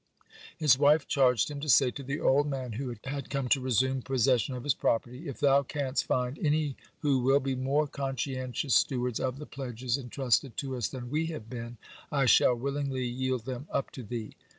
His wife charged him to say to the old man who had come to resume possession of his property: "If thou canst find any who will be more conscientious stewards of the pledges entrusted to us than we have been, I shall willingly yield them up to thee."